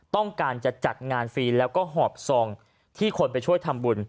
ต้องการจะจัดงานฟรีแล้วก็หอบซองที่คนไปช่วยทำบุญ